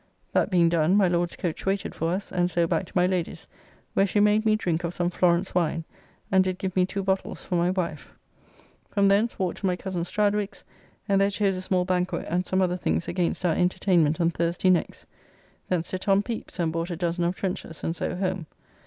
That being done, my Lord's coach waited for us, and so back to my Lady's, where she made me drink of some Florence wine, and did give me two bottles for my wife. From thence walked to my cozen Stradwick's, and there chose a small banquet and some other things against our entertainment on Thursday next. Thence to Tom Pepys and bought a dozen of trenchers, and so home.